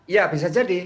ya bisa jadi